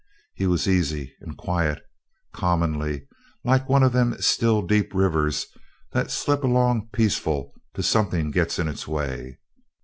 He was easy and quiet, commonly, like one of them still deep rivers that slip along peaceful till somethin' gits in its way.